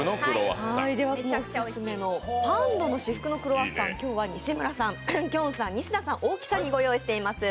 そのオススメのパン＆の至福のクロワッサンを今日は西村さん、きょんさん、稲田さん、大木さんにご用意しています。